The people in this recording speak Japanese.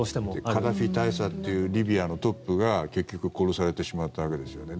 カダフィ大佐っていうリビアのトップが結局殺されてしまったわけですよね。